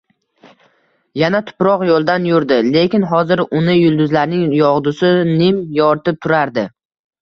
Yana tuproq yoʻldan yurdi, lekin hozir uni yulduzlarning yogʻdusi nim yoritib turardi